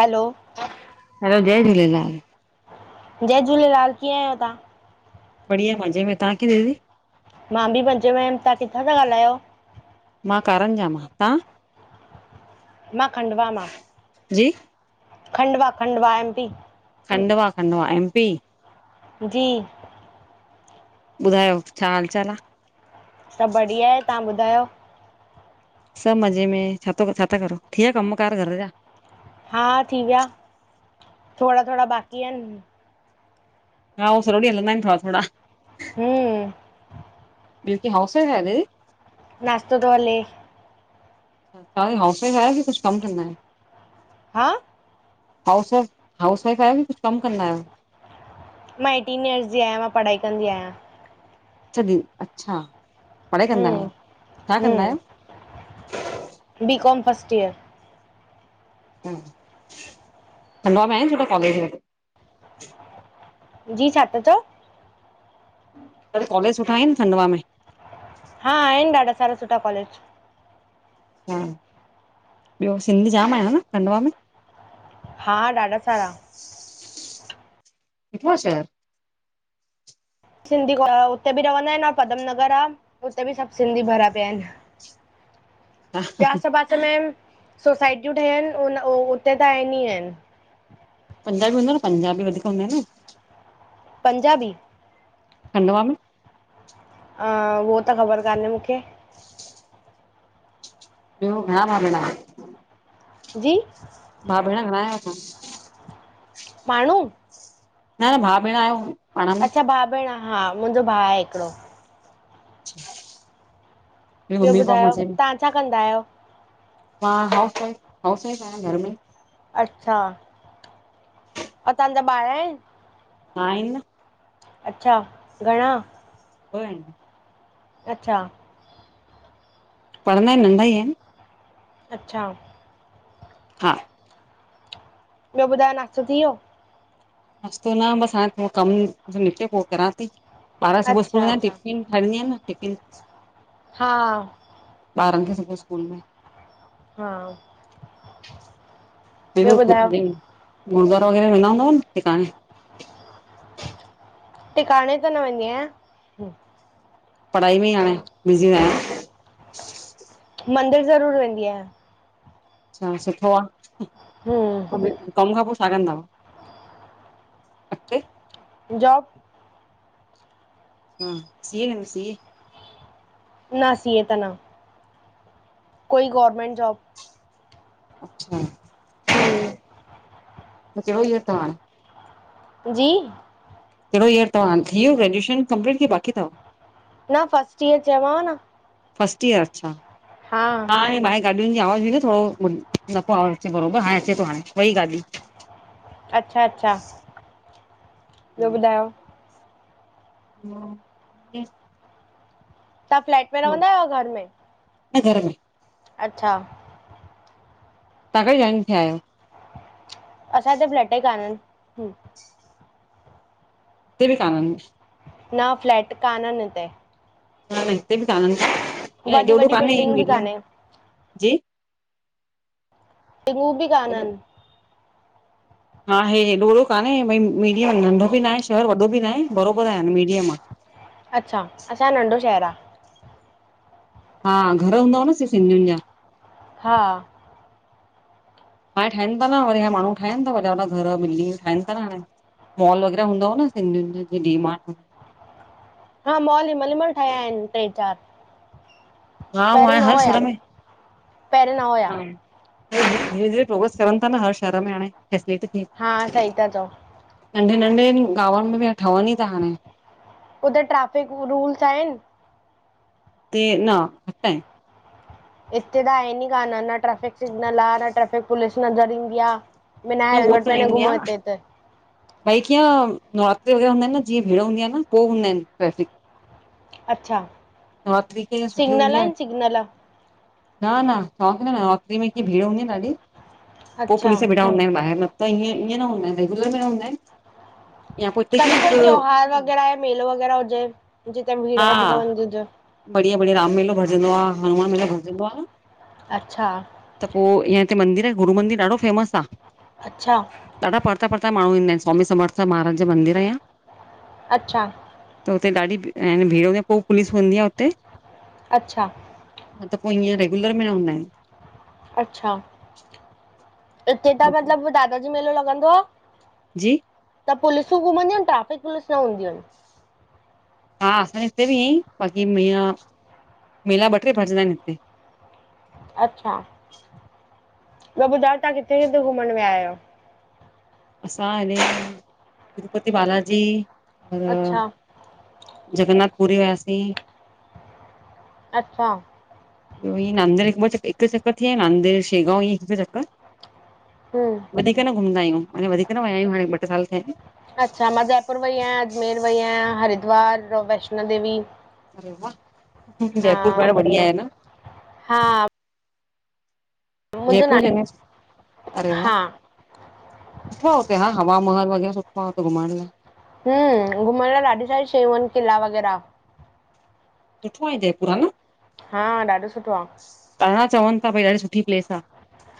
Hello hello, जय झूलेलाल। जय झूलेलाल, कीअं आहियो तां? बढ़िया मज़े में, तां किंअ दीदी? मां बि मजे में आयम, तहां किथां था ॻाल्हायो? मां कारंजा मां, तां? मां खंडवा मां। जी Khandwa -Khandwa, M P. Khandwa Khandwa, MP! जी ॿुधायो, छा हाल चाल आ? सब बढ़िया आहे, तां ॿुधायो? सब मज़े में, छा थो, छा था करो, थी वया कम कार घर जा? हा थी विया, थोड़ा थोड़ा बाक़ी आहिन। हा, उह सज्यो ॾीहं हलंदा आइन थोड़ा थोड़ा। हम्म। ब्यो कि, हाउस वाइफ आयो दीदी? नाश्तो तो हले। तां हाउस वाइफ आयो कि कुछ कम कंदा आयो? हा हाउस वाइफ, हाउस वाइफ आहियो कि कुछ कम कंदा आहियो? मां एटीन ईयर्स जी आहियां, मां पढ़ाई कंदी आहियां। अच्छा दी अच्छा, पढ़ाई कंदा हम्म आहियो, छा कंदा आहियो? हम्म बी कॉम, फर्स्ट ईयर। हा खंडवा में आहिन सुट्ठा कॉलेज? जी, छा था चओ? मतलब कॉलेज सुठा आहिनि खंडवा में? हा आहिन, ॾाढा सारा सुठा कॉलेज। हा ॿियो, सिंधी जाम आहिन न खंडवा में? हा, ॾाढा सारा। कतो छा [inaudible] सिंधी उते बि रहंदा आहिनि, ऐं पदम नगर आ, उते बि सब सिंधी भरिया पिया आहिन। हा ॿ सभ बद [unintelligible] मेंन सोसाइटियूं ठहियल आहिन, उ उ उते त आहिन ई आहिन। पंजाबी हूंदव न, पंजाबी वधीक हूंदव न? पंजाबी खंडवा में। अं, उहो त ख़बर कान्हें मूंखे। ॿियो घणा भाउ-भेण आहियो? जी! भाउ- भेण घणा आहियो तंहा? माण्हू घणा भाउ भेण आहियो? पाण में अच्छा मुंहिंजी भाउ भेण, हा मुंहिंजो भाउ आहे हिकिड़ो। [inaudible] ॿियो मम्मी पप्पा ॿुधायो, मज़े में। तां छा कंदा आयो? मां हाउस वाइफ हाउस वाइफ आहियां घर में। अच्छा- असांजा त ॿारहां आहिनि। हा आहिनि न। अच्छा, घणां ॿ आहिनि। अच्छा पढ़ंदा आहिनि नंढा ई आहिनि। अच्छा हा ॿियो ॿुधायो नास्तो थी वियो। नास्तो न बस हाण थोरो कम निपटे पोइ करियां थी। ॿार सुबह स्कूल अच्छा विया आहिनि अच्छा टिफन ठाईंदी आहियां न टिफिन हा ॿारनि खे सुबूह स्कूल में हा [unintelligible] ॿियो ॿुधायो गुरुद्वारे वग़ैरह वेंदा हूंदव न टिकाणे। टिकाणे त न वेंदी आहियां। पढ़ाई में ई हाणे ॿिॼी आहे। मंदिर ज़रूर वेंदी आहियां। अच्छा सुठो आहे, हम्म पोइ कम खां पोइ छा कंदव जॉब! हां सीए एम सीए। न सीए त न। कोई गोरमेन्ट जॉब। अच्छा- हम्- त कहिड़ो इस्थान [unintelligible] जी, कहिड़ो ईयर तव्हां थी वियो ग्रेजुशन कंप्लीट कि बाकी अथव। न फर्स्ट ईयर चवां न। फर्स्ट ईयर अच्छा। हा- हा हे ॿाहिर गाॾियुनि जी आवाज़ बि न थोरो न प्यो अचे आवाज़ु अचे बराबरि हाणे अचे थो हाणे वई गाॾियू। अच्छा -अच्छा ॿियो ॿुधायो! ऊँ [unintelligible] तव्हां फ्लेट में रहंदा आहियो या घर में! न घर में अच्छा- तव्हां कॾहिं जॉइन थिया आहियो। असांजे फ्लेट ई कान्ह आहिनि। ते ॿि कानन। न फ्लेट कान न हिते। ह न हिते ॿि कान वॾी ॾो वॾी कान्हे बिल्डिंग बि मीडियम कान्हे जी के मूं बि हेॾो कानन। हा हे हेॾो वॾो कान्हे भई मीडियम नंढो बि ना आहे शहर वॾो बि न आहे बरोबर आहे मीडियम आ। अच्छा, असांजो नंढो शहर आ। हा घर हूंदाव न हुते सिंधियुनि जा। हा, हाणे ठाहिनि था न वरी माण्हू ठाहिनि था व घर मिली ठाहिनि था न हाणे। मॉल वग़ैरा हूंदव न सिंधियुनि जी डीमार्ट। हा मॉल मलमल ठहिया आहिनि टे चारि। हा हूं पहिरियों आए न हर हुया शहर में पहिरियों न हुया ह धीरे धीरे प्रोग्रेस करनि था न हर शहर में हाणे [unintelligible] हा सही ता चओ। नंढे नंढे गांवनि में बि ठहनि ई था हाणे। उते ट्रेफिक रूल्स आएन। ते न [unintelligible] हिते त आहिनि कान न ट्रेफिक सिगनल आ न ट्रेफिक पुलिस नज़र ईंदी आ। बिना न उहो हेलमेट त पहने ईंदी घुमो आहे हिते त। भई कीअं नवरात्री वग़ैर हूंदा आहिन न जीअं भीड़ हूंदी आ न पो हूंदा आहिन ट्रैफिक अच्छा नवरात्रि कीअं सुठी सिग्नल हूंदी आहे आहिन सिग्नल। न न तवांखे न नआतिरी में एतरी भीड़ हूंदी न ॾाढी पो अच्छा पुलिस न हूंदा आहिन ॿाहिर मतिलब ई ईअं न हूंदा आहिन रेगुलर में न हूंदा आहिन। कॾीं कोई त्योहार वग़ैरा ऐ मेलो वग़ैरा हुजे जिते भीड़ हा वधीक वंदी हुजे। बढ़िया बढ़िया राम मेलो भजंदो आ हनुमान मेला भजंदो आ। अच्छा। त पो इअं हिते मंदर आहे गुरू मंदर ॾाढो फेमस आ। अच्छा। ॾाढा परता परता माण्हू ईंदा आहिन, स्वामी समर्थ महाराज जो मंदिर आ या। अच्छा। त हुते ॾाढी भी ऐं भीड़ हूंदी आ पो पुलिस हूंदी आ हुते। अच्छा। मतिलब पो हीअं रेगुलर में न हूंदा इन। अच्छा त हिते त आहिनि मतलबु दादा डीं मेलो लॻंदो आ। जी, त पुलिसूं घुमंदियूं आहिन, ट्रैफिक पुलिस न हूंदियूं आहिन। हा असांजे हिते बि आहीं बाक़ी मं मेला ॿ टे भजंदा आहिन हिते। अच्छा। बियो ॿुधाओ तव्हां किथे किथे घुमन विया आयो? असां हिनने तिरुपति बालाजी अ अच्छा जगन्नाथ पुरी वियासीं। अच्छा। त इ नांदेड़ हिक ब चक हिक चकर नदेड़ शेगाव हिकु चकर। हूं, वधीक न घुमंदा आयूं हाने वधीक न विया आयूं हाणे ॿ टे साल थिया इन। अच्छा मां जयपुर वई आयां अजमेर वई आयां हरिद्वार वैष्णो देवी। हा जयपुर ॾाढो बढिया आहे न। हा मुंहिंजो ना जयपूर जने, अरे वा। हा सुठो हुते हा हवा महल वगैर सुठोतो घुमण लाए। हम्म घुमण लाइ ॾाढी सारी शयूं किला वगैरा। सुठो आहे जयपुर ह न? हा ॾाढो सुठो आ। पां चवनि था भई ॾाढी सुठी प्लेस आ,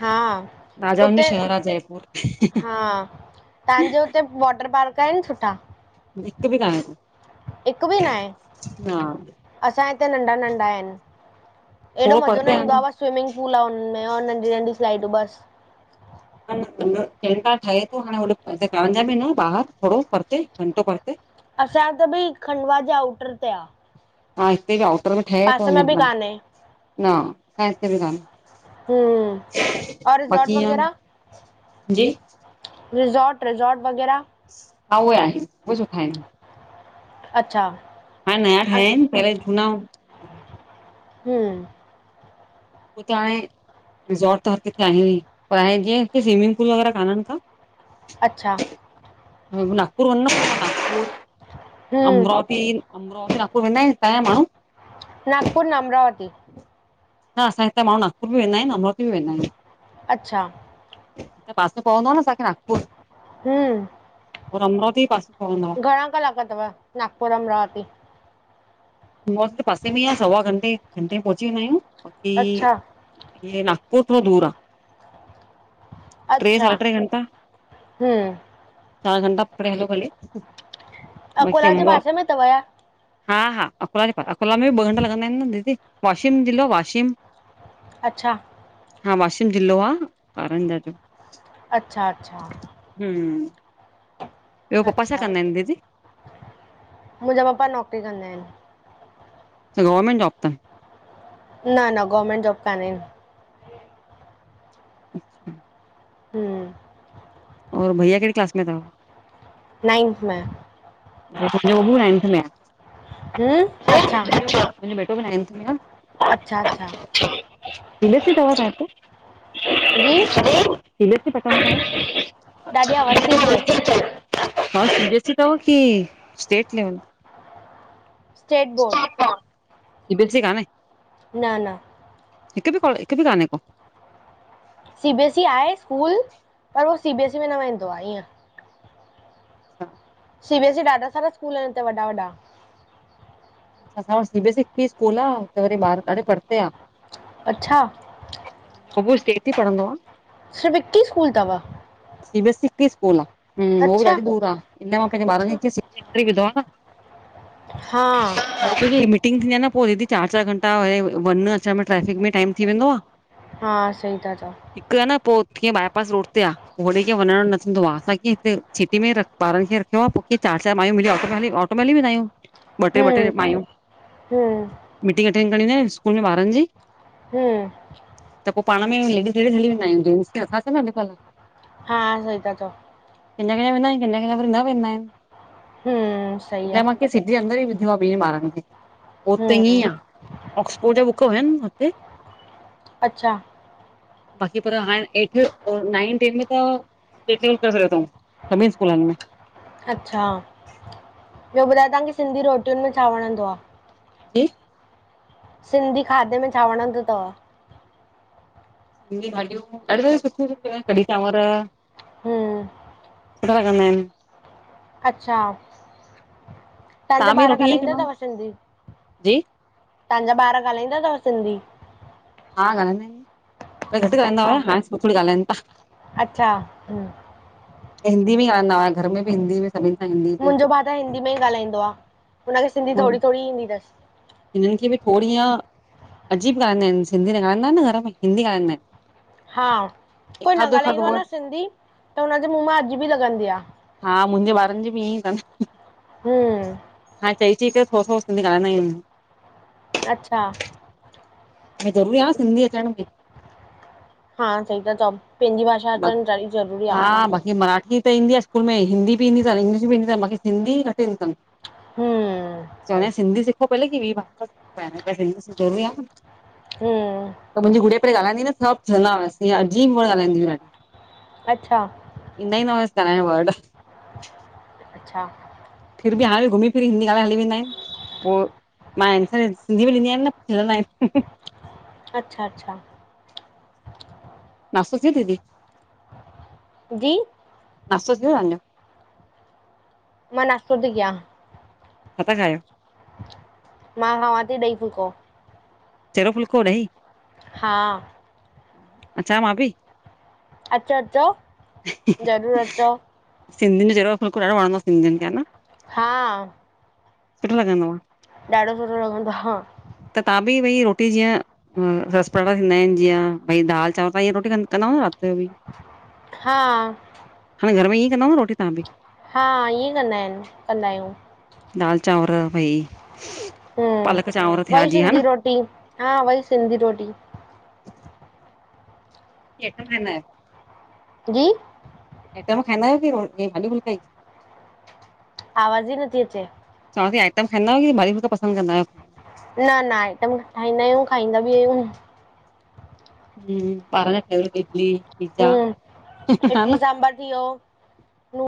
हा राजउनि जो उते शहरु आ जयपुर। हा तव्हांजे हुते वॉटर पार्क आहिनि सुठा? हिकु बि कांहें को। हिकु बि न आहे? हा असां हिते नंढा नंढा आहिनि। एॾो मज़ो न ईंदो आ बस स्विमिंग पूल आ हुन में नंढी नंढी स्लाइडू बसि। न न टेंकार ठहे थो हाणे हो पंहिंजे जा बि न ॿाहिरि थोरो परिते घंटो परिते। असांज त बिई खंडवा जे आउटर ते आ। हा हिते बि आउटर में ठहे थो में बि अञा, कान्हे न अस हिते बि कान्हे। हम्म और रििसोर्ट बाक़ी ईअं वग़ैरह? जी? रििसोर्ट रििसोर्ट वग़ैरह? हुयी उहे आहिन, उहे सुठा आहिन। अचछा हाणे नया ठाया आहिनि पहिरे जझूना हु हम्म हुते हाणे रिसोर्ट त हर किथे आहेन ही पर हाणे जीअं स्विमिंग पूल वग़ैरह कोान्हनि का। अच्छा ह नगपुर वञणो पवंदो नगपुर हम्म अमराती, अमरावती, नापुर वेंदा आहिनि हितां जा माण्हू। नागपुर न अमरावती। न असांजे हिते माण्हू नागपुर बि वेंदा आहिन, अमरावती बि वेंदा आहिन। अच्छा पास मे पवंदो आ न असांखे नागपुर। हम्म अमरावती पास मे घणा कलाक तव नागपुर अमरावती? मौस पासे में ई आ सवा घंटे घंटे में पहुची वेंदा आहियूं बाक़ी अच्छा इ नागपुर खां दूर आ। ट्रे अच्छा सढा ट्रे घंटा हम्म चार घंटा पकड़े हलो भले बाकी अकोला जे अमरा पासे में अथव या हा हा अकोल जे पा, अकोल में बि ॿ घंटा लॻंद आहिनि न दीदी। वाशीम जिलो वाशीम। अचछा हा वाशिम ज़िलो आ कांरन्जा जो। अच्छा अच्छा हम्म ॿियो पप्पा छा अच्छा, कंदा आहिनि दीदी मुंहिंजा पपा नौकरी कंदा आहिनि। गवर्नमेंट जॉब तन? न न गवर्नमेंट जॉब काननेन। अच्छा [unintelligible] हम्म और भैया कहिड़ी क्लास में अथव? नाइंथ में। हिकु ॿियो बि नाइंथ में आहे। हम्म, अच्छा। मुंहिंजो बेटो बि नाइंथ में आहे। अच्छा अच्छा। बलसी दवज [unintelligible] जी। अरे तलस पठे ॾाढी आवाज़ थी अचे [unintelligible] हा, सी बी एस सी अथव कि state level? State board. C B S C काने? न न। हिकु बि को, हिकु बि काने को? सी बी एस ई आहे स्कूल। पर उहो सी बी एस ई में न वेंदो आहे, ईअं। अच्छा। सी बी एस ई ॾाढा सारा स्कूल आहिनि हिते वॾा वॾा। असां वटि सी बी एस सी हिकु ही स्कूल आहे। त वरी बाहर ॾाढे परते आ। अच्छा। बबू् स्टेट ही पढ़ंदो आ। सिर्फ हिक ही स्कूल तव? सी बी एस सी हिक ही स्कूल आ। हो बि अच्छा ॾाढी दूर आ। हिन लाए मां पंहिंजे ॿार अच्छा खे स्टेट में विधो आ। हा। मीटिंग थींदी आहे न, पोइ दीदी चारि चारि घंटा वञण अचण में ट्रेफिक में टाइम थी वेंदो आ। हा सही था चओ। हिकु आ न पोइ कीअं बाए पास रोड ते आ। होॾे कीअं वञण न थींदो आहे। असांखे हिते सिटी में ही ॿारनि खे रखिणो आ। पोइ कीअं चार चार माइयूं मिली ऑटो कंदी, ऑटो में हली वेंदा आहियूं ॿ टे, ॿ टे हम्म माँयूं। हम्म मीटिंग अटेंड करणी हूंदी आ न स्कूल में ॿारनि जी। ट [inaudible] त पोइ पाण में लेडीस लेडीस हली वेंदा आहियूं। जेंट्स नथां अचनि अॼुकल्ह। हा, सही था चओ। कॾहिं कॾहिं वेंदा आहियूं। कॾहिं कॾहिं वरी न वेंदा आहियूं। हम्म् सही आ। सिटी जे अंदर ई विधो आ बिन्ही ॿारनि खे। पो उते ईअं ई हम्म आ। ऑक्सफोर्ड जा बुक हुयनि हुते? अच्छा। बाक़ी पर हाणे एड़थ, और नाइंथ टेन्थ में त [inaudible] करे छॾियो अथऊंं, सभी स्कूलनि में। अच्छा, ॿियो ॿुधायो तव्हांखे सिंधी रोटियुनि में छा वणंदो आ? जी सिंधी खाधे में छा वणंदो अथव? सिंधी भाॼियूं ॾाढी सारी सुठियूं-सुठियूं आहिनि। कढ़ी चांवर हम्म सुठा लॻन्दा आहिनि। अच्छा, तव्हां तव्हांजा बि ॿार रोटी ईअं ॻाल्हाईंदा कंदा आहियो? अथव सिंधी? जी तव्हांजा ॿार ॻालाईंदा अथव सिंधी? हा ॻाल्हाईंदा ऐन न, पंहिरी घटि ॻाल्हनिइंदा हुया, अच्छा हाणे थोड़ी-थोड़ी गाल्हाइंन ता। अच्छा हम्म हिंदी में ई ॻाल्हाईंदा हुआं, घर में बि हिंदी में सभिनि सां हिंदी में। मुंहिंजो भाउ हिंदी में ई ॻाल्हाईंदो आ, हुनखे सिंधी में थोड़ी-थोड़ी ईंदी तसं। हिननि खे बि थोड़ी या अजीब गानंदा आहिनि, सिंधी न गाल्हाईंदा न घर में, हिंदी गाल्हाईंदा आहिन। हा, कोई न ॻाल्हाईंदो एखादो आ न वर्ड सिंधी, त हुनजे मुंहं मां अजीब ई लॻंदी आ। हा, मुंहिंजे ॿारनि जी ॿि ईअं इ तन। हमम् हाणे चई-चई करे थोरो-थोरो सिधी ॻालंदा आयून। अच्छा ज़रूरी आ सिंधी अचण ॿि। हा सही ता चओ। पंहिंजी भाषा अचणु ॾाढी ज़रूरी हा, आहे बाक़ी मराठी त ईंदी आ स्कूल में हिंदी ॿि ईंदी तन, इंगलिश ॿि ईंदी तन, बाकि सिंधी घटि ईंदी तन। हम्म चवंदान सिंधी सिखो पहले, कि ॿी भाषा सिखियो पर सिंधी ज़रुरी आ न। हम्म त मुंहिंजी गुडिया पंहिरी ॻाल्हाईंदी हुअस, त सब चहंदावस अजीब वण ॻ्हाईंदी आ। अच्छा इंदा ई न हुयस गाल्हाइण वर्ड। अच्छा फिर बि हाणे घुमी फिरी हिंदी ॻालाए हली वेंदा आहिन। पो मां आंसर्स सिंधी मे ॾींदी आहियां खिलंदा ऐन। अच्छा-अच्छा नास्तो थी वियव दीदी? जी नास्तो थी व्यो ताजों? मां नास्तो ती कियां। छा ता खायो? मां खांवाती ॾई फुलको। चहरो फुलको ॾही? हा अचां मां ॿि? अचो-अचो ज़रूरु अचो। सिंधियुनि जो चयरो फुलकों ॾाढो वणंदो आ सिंधियुनि खे ह न। हा सुठो लॻंदो आ। ॾाढो सुठो लॻंदो आ। त तव्हां ॿि, भई रोटी जीअं रस पराटा थींदा आहिनि, जीअं भई दाल चांवर तव्हांअं रोटी क कंदआयो न राति जो ॿि? हा हाणे घर में ईअ कंदाऊ न रोटी त्हां ॿि? हा, इअं कंदा ऐन, कंदा आहियूं। दाल चांवर भई, पालक चांवर हम्म थिया वई जीअ ह सिंधी न। रोटी हा उअई सिंधी रोटी। हेक [inaudible] जी? आटइम खाईंदा आयो कि रो हे भाॼी फूलका ही? आवाज़ ई न अचे। चवां थी आइटम खाइंदा आहियो कि भाॼीयूं फूलका पसंद कंदा आहियो? न न आइटम ठाहींदा आहियूं खाईंदा ॿि आहियूं। हम्म, बारन जा फेवरेट, इडली, पिज़्ज़ा हम्म है इडली न? सांभर थी वियो नू